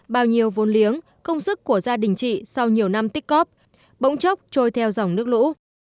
bao nhiêu vốn liếng công sức của gia đình chị sau nhiều năm tích cóp bỗng chốc trôi theo dòng nước lũ